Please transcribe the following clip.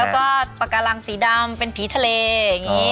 แล้วก็ปากการังสีดำเป็นผีทะเลอย่างนี้